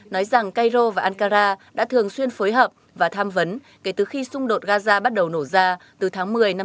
nói rằng cairo và ankara đã thường xuyên phối hợp và tham vấn kể từ khi xung đột gaza bắt đầu nổ ra từ tháng một mươi năm hai nghìn một mươi